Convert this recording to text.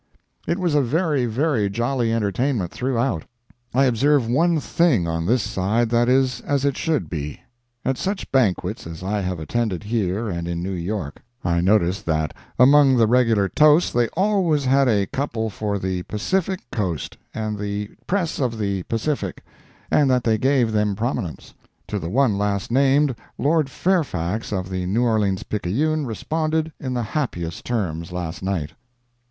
It was a very, very jolly entertainment throughout. I observe one thing on this side that is as it should be. At such banquets as I have attended here and in New York, I noticed that among the regular toasts they always had a couple for "The Pacific Coast" and "The Press of the Pacific," and that they give them prominence. To the one last named Lord Fairfax of the New Orleans Picayune responded in the happiest terms last night.